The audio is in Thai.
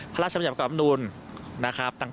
พระราชมนัยกว่าอำนูญนะครับ